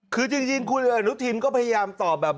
คือจริงคุณอนุทินก็พยายามตอบแบบ